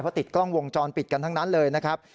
เพราะติดกล้องวงจรปิดกันทั้งนั้นเลยนะครับ